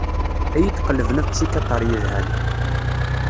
Ad iyi-d-qelben apsikyaṭr yelhan.